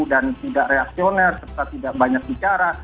tidak reaksioner serta tidak banyak bicara